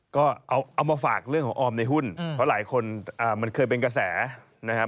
ก็เอามาฝากเรื่องของออมในหุ้นเพราะหลายคนมันเคยเป็นกระแสนะครับ